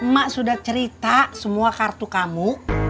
mak sudah cerita semua kartu kamu